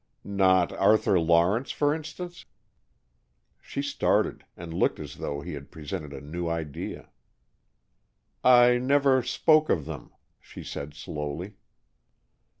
"Not Arthur Lawrence, for instance?" She started, and looked as though he had presented a new idea. "I never spoke of them," she said, slowly.